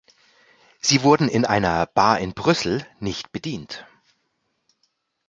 Sie wurden in einer Bar in Brüssel nicht bedient.